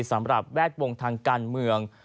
สำหรับแวดวงทางการเมือง